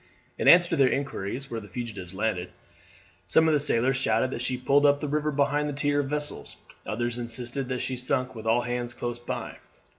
In answer to their inquiries where the fugitives landed, some of the sailors shouted that she had pulled up the river behind the tier of vessels, others insisted that she had sunk with all hands close by.